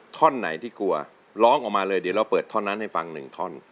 ท่อนไหนที่กลัวร้องออกมาเลยเดี๋ยวเราเปิดท่อนนั้นให้ฟังหนึ่งท่อน